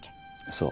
そう。